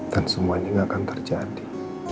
dan semuanya tidak akan terjadi